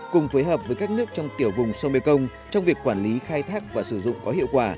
cùng phối hợp với các nước trong tiểu vùng sông mekong trong việc quản lý khai thác và sử dụng có hiệu quả